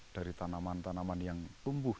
dari tanaman tanaman yang tumbuh